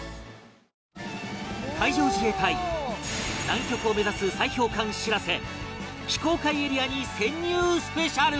海上自衛隊南極を目指す砕氷艦しらせ非公開エリアに潜入スペシャル